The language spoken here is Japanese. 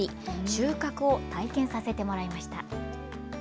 収穫を体験させてもらいました。